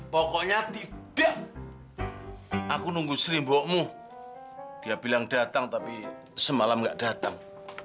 pokoknya tidak aku nunggu serembokmu dia bilang datang tapi semalam gak datang